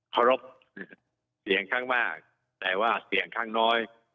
ขอรบเสียงข้างมากแต่ว่าเสียงข้างน้อย